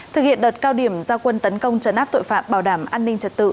khi kiểm giao quân tấn công trần áp tội phạm bảo đảm an ninh trật tự